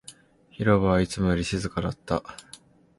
広場はいつもよりも静かだった